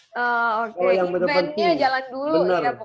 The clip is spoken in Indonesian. oh oke eventnya jalan dulu ya pokoknya ya